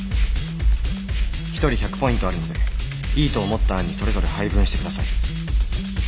一人１００ポイントあるのでいいと思った案にそれぞれ配分してください。